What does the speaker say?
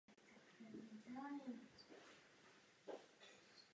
Byl mu udělen Československý válečný kříž a Medaile Za zásluhy.